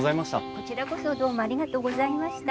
こちらこそどうもありがとうございました。